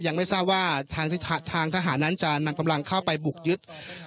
ยังไม่ทราบว่าทางทหารนั้นจะนำกำลังเข้าไปบุกยึด